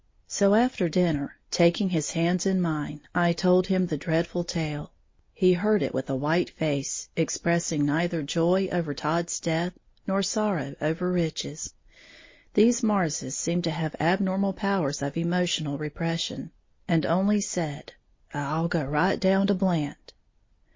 So after dinner, taking his hands in mine, I told him the dreadful tale. He heard it with a white face, expressing neither joy over Todd's death, nor sorrow over Rich's (these Marrses seem to have abnormal powers of emotional repression), and only said, "I'll go right down to Blant."